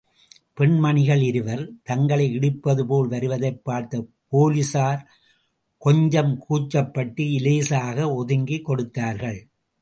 பெண்மணிகள் இருவர், தங்களை இடிப்பது போல் வருவதைப் பார்த்த போலீசார் கொஞ்சம் கூச்சப்பட்டு இலேசாக ஒதுங்கிக் கொடுத்தார்கள்.